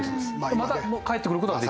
また返ってくる事ができる？